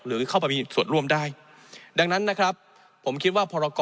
หรือเข้าไปมีส่วนร่วมได้ดังนั้นนะครับผมคิดว่าพรกร